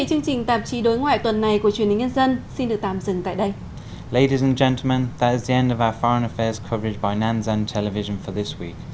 cuối ngoại tuần này của truyền hình nhân dân xin được tạm dừng tại đây